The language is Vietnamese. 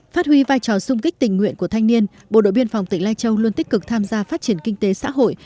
phát huy vai trò xung kích tình nguyện của thanh niên bộ đội biên phòng tỉnh lai châu luôn tích cực tham gia phát triển kinh tế xã hội